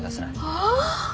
はあ？